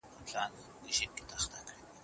دا یو صدقه جاریه ده.